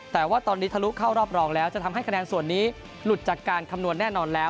แต่ว่าตอนนี้ทะลุเข้ารอบรองแล้วจะทำให้คะแนนส่วนนี้หลุดจากการคำนวณแน่นอนแล้ว